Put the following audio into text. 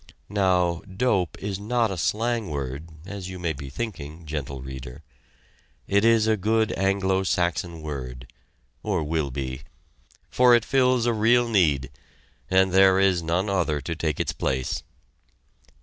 Now "dope" is not a slang word, as you may be thinking, gentle reader. It is a good Anglo Saxon word (or will be), for it fills a real need, and there is none other to take its place.